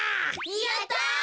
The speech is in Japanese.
やった！